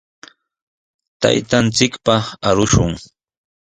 Taytanchikpaq arushun.